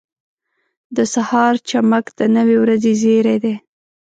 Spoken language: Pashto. • د سهار چمک د نوې ورځې زیری دی.